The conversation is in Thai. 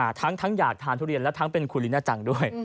ทั้งทั้งอยากทานทุเรียนและทั้งเป็นคุณลิน่าจังด้วย